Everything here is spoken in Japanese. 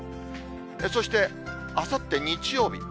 そして、あさって日曜日。